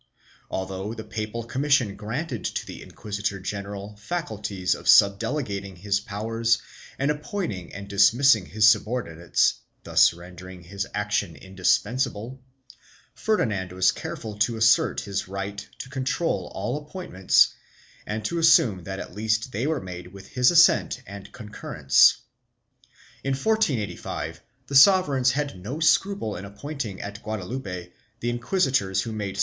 Although the papal commission granted to the inquisitor general faculties of subdelegating his powers and appointing and dismissing his subordinates, thus rendering his action indispensable, Ferdinand was careful to assert his right to control all appointments and to assume that at least they were made with his assent and concurrence. In 1485 the sover eigns had no scruple in appointing at Guadalupe the inquisitors who made.